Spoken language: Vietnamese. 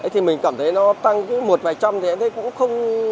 thì mình cảm thấy nó tăng một vài trăm thì cũng không